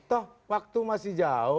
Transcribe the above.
toh waktu masih jauh